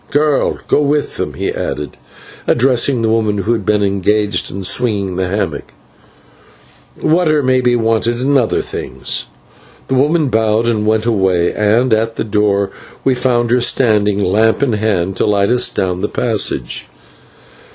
Girl, go with them," he added, addressing the woman who had been engaged in swinging the hammock, "water may be wanted and other things." The woman bowed and went away, and at the door we found her standing, lamp in hand, to light us down the passage.